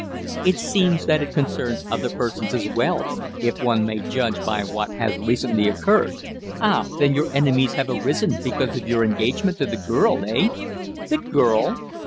"It seems that it concerns other persons as well, if one may judge by what has recently occurred." "Ah! Then your enemies have arisen because of your engagement to the girl eh?" "The girl!"